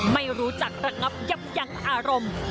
ไม่รู้จักระงับยับยั้งอารมณ์